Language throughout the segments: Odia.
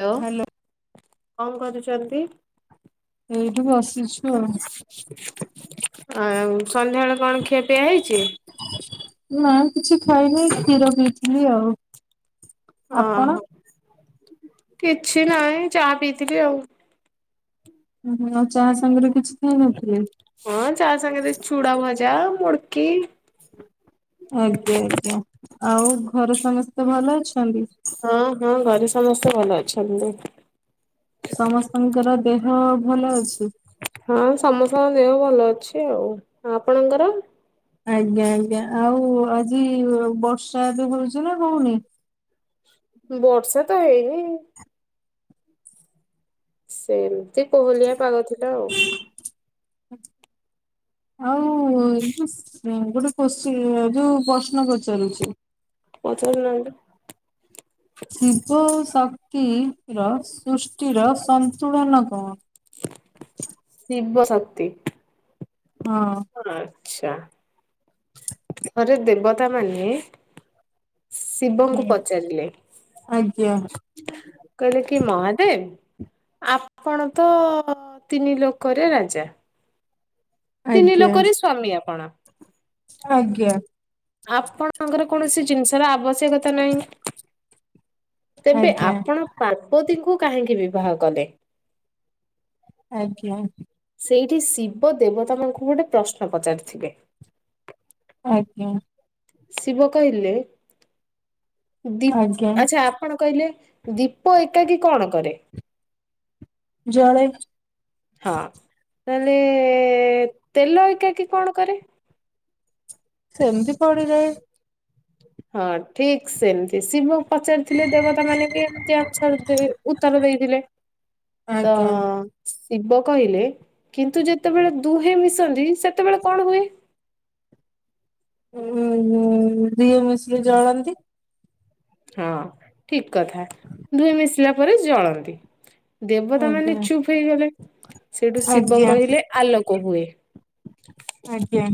ହାଲୋ ହ୍ୟାଲୋ କଣ କରୁଛନ୍ତି? ଏଇଠି ବସିଛୁ ଆଉ। [inaudible] ଆଉ ସନ୍ଧ୍ୟାବେଳେ କଣ ଖିଆପି ପିଆ ହେଇଛି? ନା କିଛି ଖାଇନି। କ୍ଷୀର ପିଇଥିଲି ଆଉ। ଆପଣ ଓହୋ। କିଛିନାହିଁ ଚାଆ ପିଇଥିଲି ଆଉ। ହୁଁ ହୁଁ। ଆଉ ଚାହା ସାଙ୍ଗରେ କିଛି ଖାଇ ନଥିଲେ? ହଁ ଚା ସାଙ୍ଗରେ ଚୁଡ଼ାଭଜା ମୁଡ଼କି। ଆଜ୍ଞା ଆଜ୍ଞା। ଆଉ ଘରେ ସମସ୍ତେ ଭଲ ଅଛନ୍ତି? ହଁ ହଁ ଘରେ ସ ସମସ୍ତେ ଭଲ ଅଛନ୍ତି। ସମସ୍ତଙ୍କର ଦେହ ଭଲ ଅଛି? ହଁ ସମସ୍ତଙ୍କର ଦେହ ଭଲ ଅଛି ଆଉ। ଆପଣଙ୍କର? ଆଜ୍ଞା ଆଜ୍ଞା। ଆଉ ଆଜି ବର୍ଷା ଏବେ ହଉଛି ନା ହଉନି? ବର୍ଷା ତ ହେଇନି ସେମିତି କୋହଲିଆ ପାଗ ଥିଲା ଆଉ। [inaudible] ଆଉ ଯୋଉ ଗୋଟେ କୋ୍ସଚି ଯୋଉ ପ୍ରଶ୍ନ ପଚାରୁଛି। ପଚାରୁନାହାନ୍ତି। ଶିବ ଶକ୍ତିର ସୃଷ୍ଟିର ସନ୍ତୁଳନ କଣ? ଶିବଶକ୍ତି। ହଁ। ଆଚ୍ଛା। ଥରେ ଦେବତାମାନେ ଶିବଙ୍କୁ ହୁଁ ପଚାରିଲେ? ଆଜ୍ଞା କହିଲେ କି ମହାଦେବ। ଆପଣ ତ ତିନି ଲୋକରେ ରାଜା। ତିନି ଆଜ୍ଞା। ଲୋକରେ ସ୍ଵାମୀ ଆପଣ। ଆଜ୍ଞା। ଆପଣଙ୍କର କୌଣସି ଜିନିଷର ଆବଶ୍ୟକତା ନାହିଁ। [inaudible] ତେବେ ଆଜ୍ଞା ଆପଣ ପାର୍ବତୀଙ୍କୁ କାହିଁକି ବିବାହ କଲେ? ଆଜ୍ଞା। ସେଇଠି ଶିବ ଦେବତା ମନଙ୍କୁ ଗୋଟେ ପ୍ରଶ୍ନ ପଚାରିଥିବେ। ଆଜ୍ଞା। ଶିବ କହିଲେ ଆଜ୍ଞା ଦୀପ ଆଚ୍ଛା ଆପଣ କହିଲେ, ଦୀପ ଏକାକି କଣ କରେ? ଜଳେ। ହଁ। ତାହେଲେ ତେଲ ଏକାକି କି କଣ କରେ? ସେମତି ପଡି଼ରହେ। ହଁ ଠିକ୍ ସେମିତି। ଶିବ ପଚାରିଥିଲେ ଦେବତା ମାନେ ବି ଏମିତି ଆନ୍ସର ଉତ୍ତର ଦେଇଥିଲେ। ତ ଆଜ୍ଞା ଶିବ କହିଲେ, କିନ୍ତୁ ଯେତେବେଳେ ଦୁହେଁ ମିଶନ୍ତି ସେତେବେଳେ କଣ ହୁଏ? ଉ ହୁଁ ଦିହେଁ ମିଶିଲେ ଜଳନ୍ତି। ହଁ ଠିକ୍ କଥା। ଦୁହେଁ ମିଶିଲା ପରେ ଜଳନ୍ତି। ଦେବତା ମାନେ ଆଜ୍ଞା ଚୁପ୍ ହେଇଗଲେ। ସେଠୁ ଶିବ ଆଜ୍ଞା କହିଲେ ଆଲୋକ ହୁଏ। ଆଜ୍ଞା।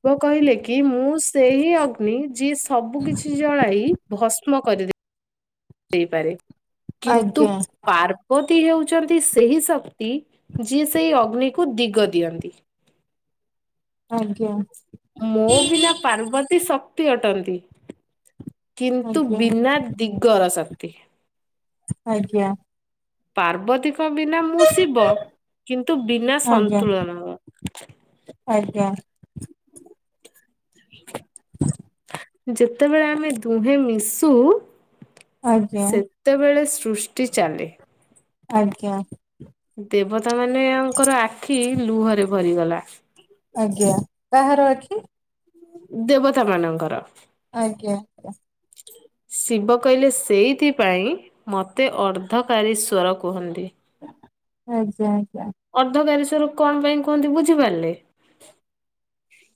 ଶିବ କହିଲେ କି, ମୁଁ ସେହି ଅଗ୍ନି ଯିଏ ସବୁ କିଛି ଜଳାଇ ଭସ୍ମ କରିଦେ ହେଇପାରେ କିନ୍ତୁ ଆଜ୍ଞା ପାର୍ବତୀ ହେଉଛନ୍ତି ସେହି ଶକ୍ତି ଯିଏ ସେଇ ଅଗ୍ନିକୁ ଦିଗ ଦିଅନ୍ତି। ଆଜ୍ଞା ମୋବିନା ପାର୍ବତୀ ଶକ୍ତି ଅଟନ୍ତି। କିନ୍ତୁ ଆଜ୍ଞା ବିନାଦିଗର ଶକ୍ତି। ଆଜ୍ଞା। ପାର୍ବତୀଙ୍କ ବିନା ମୁଁଶିବ କିନ୍ତୁ ବିନାସନ୍ତୁଳନ। ଆଜ୍ଞା। [unintelligible] [unintelligible] ଯେତେବେଳେ ଆମେ ଦୁହେଁ ମିଶୁ ଆଜ୍ଞା ସେତ ଯେତେବେଳେ ସୃଷ୍ଟି ଚାଲେ। ଆଜ୍ଞା। ଦେବତା ମାନେଙ୍କର ଆଖି ଲୁହରେ ଭରିଗଲା। ଆଜ୍ଞା କାହାର ଆଖି? ଦେବତା ମାନଙ୍କର ଆଜ୍ଞା [unintelligible] ଶିବକହିଲେ ସେଇଥିପାଇଁ ମୋତେ ଅର୍ଦ୍ଧକାରୀସ୍ୱର କୁହନ୍ତି। ଆଜ୍ଞା ଆଜ୍ଞା। ଅର୍ଦ୍ଧକାରିଶ୍ୱର କଣ ପାଇଁ କୁହନ୍ତି ବୁଝିପାରିଲେ?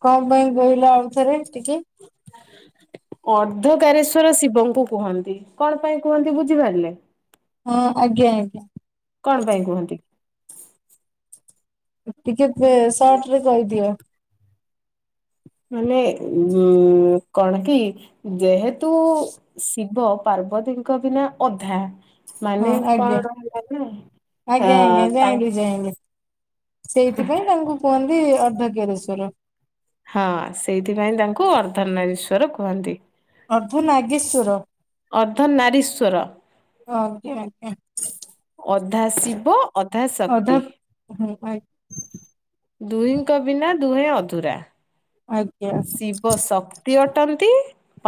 କଣ ପାଇଁ କହିଲ ଆଉଥରେ ଟିକିଏ? [unintelligible] ଅର୍ଦ୍ଧକାରିଶ୍ଵର ଶିବଙ୍କୁ କୁହନ୍ତି କଣପାଇଁ କୁହନ୍ତି ବୁଝିପାରିଲେ? ହଁ ଆଜ୍ଞା ଆଜ୍ଞା। କଣପାଇଁ କୁହନ୍ତି? ଟିକିଏ ପେ ସଟରେ କହିଦିଅ। ମାନେ ଉୁଁ କଣକି? ଯେହେତୁ ଶିବ ପାର୍ବତୀଙ୍କ ବିନା ଅଧା ହଁ ମାନେ ଆଜ୍ଞା କଣ ହେଲାନା ଆଜ୍ଞା ଆଁ ଆଜ୍ଞା ତାଙ୍କ ଯାଇଁଲି ଯାଇଁଲି ସେଇଥିପାଇଁ ତାଙ୍କୁ କୁହନ୍ତି ଅର୍ଦ୍ଧକେରେଶ୍ଵର। ହଁ ସେଇଥିପାଇଁ ତାଙ୍କୁ ଅର୍ଦ୍ଧନାରିଶ୍ଵର କୁହନ୍ତି। ଅର୍ଦ୍ଧ ନାଗେଶ୍ଵର। ଅର୍ଦ୍ଧନାରୀଶ୍ଵର। ଆଜ୍ଞା ଆଜ୍ଞା ଅଧାଶିବ ଅଧା ଅଧାଶକ୍ତି। ହୁଁ ଆଜ୍ଞା। ଦୁହିଁଙ୍କ ବିନା ଦୁହେଁ ଅଧୁରା ଆଜ୍ଞା ଶିବସକ ତି ଅଟନ୍ତି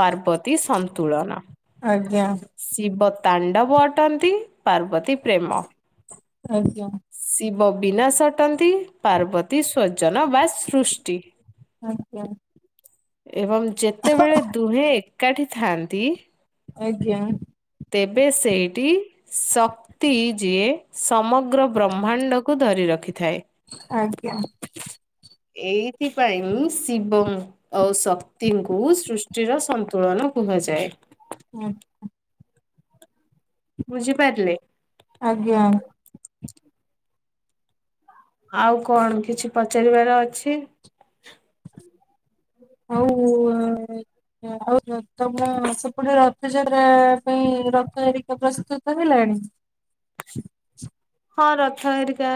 ପାର୍ବତୀ ସନ୍ତୁଳନ। ଆଜ୍ଞା ଶିବତାଣ୍ଡବ ଅଟନ୍ତି ପାର୍ବତୀ ପ୍ରେମ। ଆଜ୍ଞା। ଶିବ ବିନାସ ଅଟନ୍ତି ପାର୍ବତୀ ସ୍ୱଜନ ବା ସୃଷ୍ଟି। ଆଜ୍ଞା ଏବଂ ଯେତେବେଳେ ଦୁହେଁ ଏକାଠି ଥାଆନ୍ତି। ଆଜ୍ଞା। ତେବେ ସେଇଠି ଶକ ତି ଯିଏ ସମଗ୍ର ବ୍ରହ୍ମାଣ୍ଡକୁ ଧରି ରଖିଥାଏ। ଆଜ୍ଞା। ଏଇଥିପାଇଁ ଶିବଓଙ୍ଗ। ଆଉ ଶକ୍ତିଙ୍କୁ ସୃଷ୍ଟିର ସନ୍ତୁଳନ କୁହାଯାଏ। ହୁଁ। ବୁଝିପାରିଲେ? ଆଜ୍ଞା। ଆଉ କଣ କିଛି ପଚାରିବାର ଅଛି? ହଉ [unintelligible] ଆଉ ତମ ସେପଟେ ରଥଯାତ୍ରା ପାଇଁ ରଥ ହେରିକା ପ୍ରସ୍ତୁତ ହେଲାଣି? ହଁ ରଥହେରିକା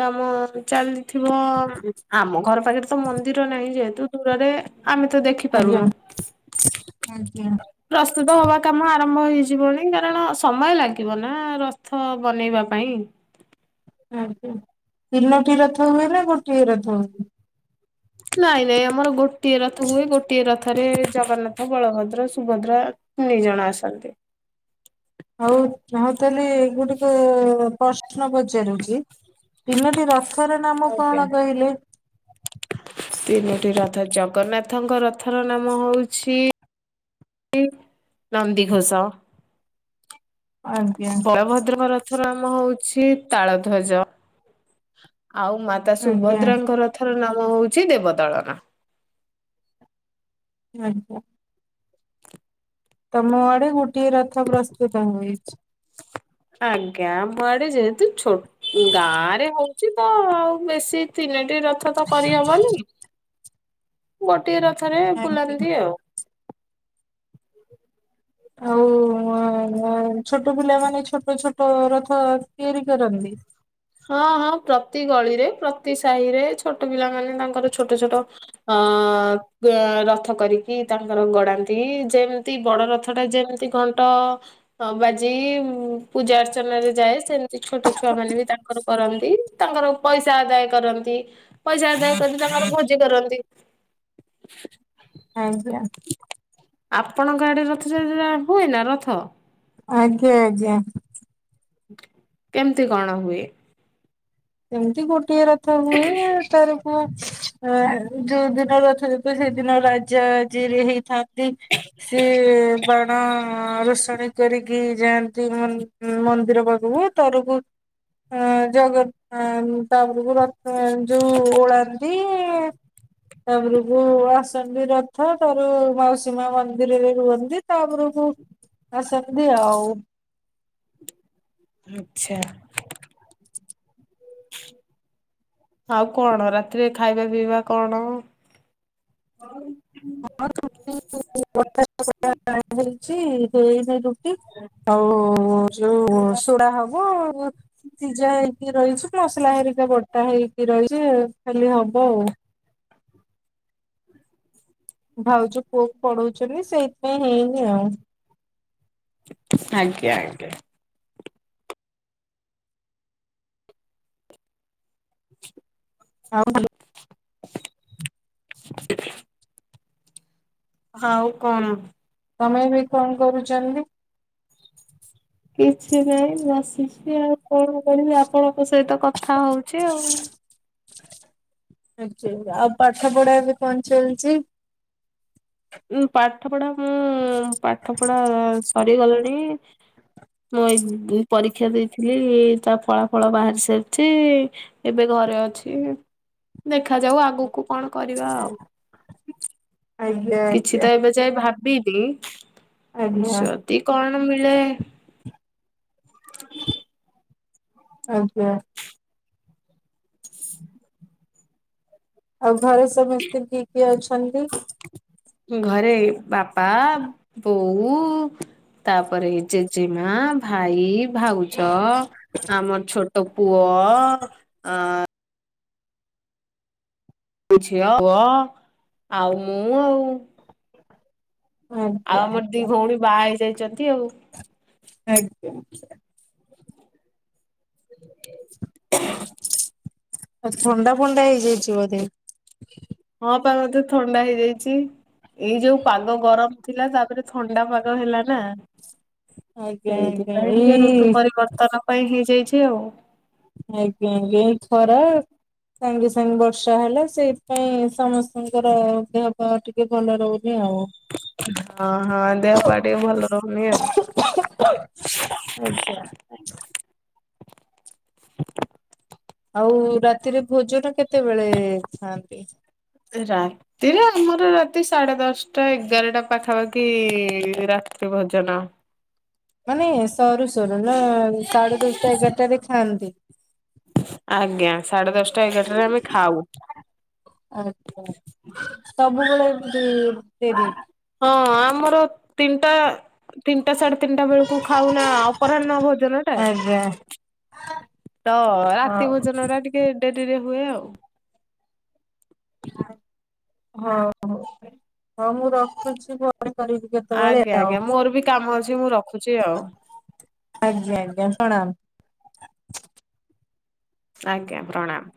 କାମ ଚାଲି ଥିବ ଆମ ଘର ପାଖରେ ତ ମନ୍ଦିର ନାହିଁ ଯେହେତୁ [unintelligible] ଆମେ ତ ଆଜ୍ଞା ଦେଖିପାରୁନୁ। ଆଜ୍ଞା। ପ୍ରସ୍ତୁତ ହବା କାମ ଆରମ୍ଭ ହେଇଯିବାଣୀ କାରଣ ସମୟ ଲାଗିବ ନା ରଥ ବନେଇବା ପାଇଁ। ଓ ହୋ ତିନୋଟି ରଥ ହୁଏ ନା ଗୋଟିଏ ରଥ ହୁଏ? ନାଇଁ ନାଇଁ ଆମର ଗୋଟିଏ ରଥ ହୁଏ ଗୋଟିଏ ର ଥରେ ଜଗନ୍ନାଥ ବଳଭଦ୍ର ସୁଭଦ୍ରା ତିନି ଜଣ ଆସନ୍ତି। ହଉ ହଉ ତାହେଲେ [unintelligible] ପ୍ରଶ୍ନ ପଚାରୁଛି? ତିନୋଟି ରଥର ନାମ ଆଜ୍ଞା। କଣ କହିଲେ? ତିନୋଟି ରଥ ଜଗନ୍ନାଥଙ୍କ ରଥର ନାମ ହଉଛି ନନ୍ଦିଘୋଷ ଆଜ୍ଞା ବଳଭଦ୍ରଙ୍କ ର ଥ ନାମ ହଉଛି ତାଳ ଧ୍ୱଜ ଆଉ ମାତା ଆଜ୍ଞା ସୁଭଦ୍ରାଙ୍କର ଥର ନାମ ହଉଛି ଦେବଦଳନ। ଆଜ୍ଞା। ତମ ଆଡ଼େ ଗୋଟିଏ ରଥ ପ୍ରସ୍ତୁତ ହୋଇଛି। ହଁ ଆଜ୍ଞା ବଡ଼ି ଯେହେତୁ ଛୋ ଗାଁ ରେ ହଉଛି ତ ଆଉ ବେଶୀ ତିନି ଟି ରଥ ତ କରିହବନି ଗୋଟିଏ ରଥରେ ଆଜ୍ଞା। ବୁଲାନ୍ତି ଆଉ। ଆଉ [unintelligible] ଛୋଟ ପିଲାମାନେ ଛୋଟ ଛୋଟ ରଥ ତିଆରି କରନ୍ତି। ହଁ ହଁ ପ୍ରତି ଗଳିରେ ପ୍ରତି ସାହିରେ ଛୋଟ ପିଲାମାନେ ତାଙ୍କର ଛୋଟ ଛୋଟ ହଁ [unintelligible] ରଥ କରିକି ତାଙ୍କର ଗଡ଼ାନ୍ତି ଯେମିତି ବଡ଼ ରଥ ଟା ଯେମିତି ଘଣ୍ଟ ବାଜିକି ପୂଜା ଅର୍ଚ୍ଚନାରେ ଯାଏ ସେମିତି ଛୋଟ ଛୁଆ ମାନେ ବି ତା କରନ୍ତି ତାଙ୍କର ପଇସା ଆଦାୟ କରନ୍ତି। ପଇସା ଆଦାୟ କରି ତାଙ୍କର ଭୋଜି କରନ୍ତି। ଆଜ୍ଞା। ଆପଣଙ୍କ ଆଡ଼େ ରଥଯାତ୍ରା ହୁଏ ନା ରଥ? ଆଜ୍ଞା ଆଜ୍ଞା। କେମିତି କଣ ହୁଏ? ଏମିତି ଗୋଟିଏ ରଥ ହୁଏ ତାର କୁ ଏ ଯୋଉ ଦିନ ରଥଯାତ୍ରା ସେଦିନ ରାଜାଜିରେ ହେଇଥା ନ୍ତି ସିଏ କଣ? ଅ ରୋଷଣୀ କରିକି ଯାଆନ୍ତି ମନ୍ ମନ୍ଦିର ପାଖକୁ ତରକୁ ହଁ ଜଗ ଆ ତାପରକୁ ରଥ ଯୋଉ ଓଳାନ୍ତି ତାପରକୁ ଆସନ୍ତି ରଥ ତାପରେ ମାଉସୀ ମା ମନ୍ଦିରରେ ରୁହନ୍ତି ତା ଉପରକୁ [unintelligible] ଆଉ। ଆଚ୍ଛା। ଆଉ କଣ ରାତିରେ ଖାଇବା ପିଇବା କଣ? ହଉ ଁ [unintelligible] ହେଇଚି ଆଉ ଯୋଉ ଶଡା ହବ ସିଝା ହେଇକି ରହିଛି ମସଲା ହେରିକା ବଟା ହେଇକି ରହିଛି ଖାଲି ହବ ଆଉ ଭାଉଜ ପୁଅ କୁ ପଢଉଛନ୍ତି ସେଇଥିପାଇଁ ହେଇନି ଆଉ ଆଜ୍ଞା ଆଜ୍ଞା [inaudible] ଆଉ [unintelligible] [unintelligible] ହଉ କଣ ତମେ ଏବେ କଣ କରୁଛନ୍ତି କିଛି ନାହିଁ ମୁଁ ବସିଛି ଆଉ କଣ କରିବି ଆପଣଙ୍କ ସହିତ କଥା ହଉଛି ଆଉ ଆଚ୍ଛା ଆଉ ପାଠ ପଢା ବି କଣ ଚାଲିଛି ଉଁ ପାଠ ପଢା ମୁଁ ପାଠ ପଢା ସରିଗଲାଣି ମୁଁ ଏଇ ପରୀକ୍ଷା ଦେଇଥିଲି ତା ଫଳା ଫଳ ବାହାରି ସାରିଛି ଏବେ ଘରେ ଅଛି ଦେଖାଯାଉ ଆଗକୁ କଣ କରିବା ଆଉ ଆଜ୍ଞା କିଛି ଆଜ୍ଞା ତ ଏବେ ଯାଏଁ ଭାବିନି ଆଜ୍ଞା ଯଦି କଣ ମିଳେ ଆଜ୍ଞା। ଆଉ ଘରେ ସମସ୍ତେ କିଏ କିଏ ଅଛନ୍ତି? ଘରେ ବାପା ବୋଉ ତାପରେ ଜେଜେମା ଭାଇ ଭାଉଜ ଆମର ଛୋଟ ପୁଅ ଅ ଝିଅ ପୁଅ ଆଉ ମୁଁ ଆଉ ଆଜ୍ଞା ଆମର ଦି ଭଉଣୀ ବାହା ହେଇଯାଇଛନ୍ତି ଆଉ ଆଜ୍ଞା ଆଜ୍ଞା ହ [inaudible] ଥଣ୍ଡା ଫଣ୍ଡା ହେଇଯାଇଛି ବୋଧେ, ହଁ ପା ମତେ ଥଣ୍ଡା ହେଇଯାଇଛି। ଏଇ ଯୋଉ ପାଗ ଗରମ ଥିଲା ତାପରେ ଥଣ୍ଡା ପାଗ ହେଲା ନା ଆଜ୍ଞା ଆଜ୍ଞା ସେଇଥିପାଇଁ ଟିକେ ଋତୁ ଏଇ ପରିବର୍ତ୍ତନ ପାଇଁ ହେଇଯାଇଛି ଆଉ ଆଜ୍ଞା ଆଜ୍ଞା ବହୁତ୍ ଖରା ସାଙ୍ଗେ ସାଙ୍ଗେ ବର୍ଷା ହେଲା ସେଇପାଇଁ ସମସ୍ତଙ୍କର ଦେହ ପା ଟିକେ ଭଲ ରହୁନି ଆଉ ହଁ ହଁ ଦେହ ପା ଟିକେ ଭଲ ରହୁନି ଆଉ ଆଜ୍ଞା ଆଉ ରାତିରେ ଭୋଜନ କେତେବେଳେ ଖାଆନ୍ତି? ରା ତିରେ ଆମର ରାତି ସାଢେ ଦଶଟା ଏଗାରଟା ପାଖାପାଖି ରାତି ଭୋଜନ [unintelligible] ମାନେ ସରୁ ସରୁ ନା ସାଢେ ଦଶଟା ଏଗାରଟାରେ ଖାଆନ୍ତି। ଆଜ୍ଞା ସାଢେ ଦଶଟା ଏଗାରଟରେ ଆମେ ଖାଉ। ଆଛା ସବୁବେଳେ ଏମିତି ଦେରି ହଁ ଆମର ତିନିଟା ତିନିଟା ସାଢେ ତିନିଟା ବେଳକୁ ଖାଉନା ଅପରାହ୍ନ ଭୋଜନ ଟା ଆଜ୍ଞା। ତ ରାତି ହଉ ଭୋଜନ ଟା ଟିକେ ଡେରିରେ ହୁଏ ଆଉ, ହଉ ହଉ ହଉ ମୁଁ ରଖୁଚି ପରେ କରିବି। କେତେବେଳେ ଆଜ୍ଞା ଆଉ। ଆଜ୍ଞା ମୋର ବି କାମ ଅଛି ମୁଁ ରଖୁଚି ଆଉ। ଆଜ୍ଞା ଆଜ୍ଞା ପ୍ରଣାମ। ଆଜ୍ଞା ପ୍ରଣାମ।